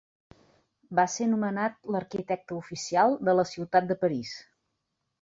Va ser nomenat l'arquitecte oficial de la ciutat de París.